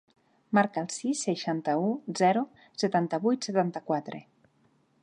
Marca el sis, seixanta-u, zero, setanta-vuit, setanta-quatre.